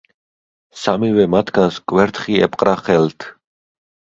სამივე მათგანს კვერთხი ეპყრა ხელთ.